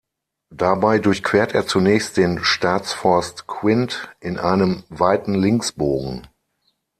Dabei durchquert er zunächst den Staatsforst Quint in einem weiten Linksbogen.